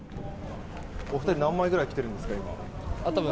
お二人何枚くらい着ているんですか？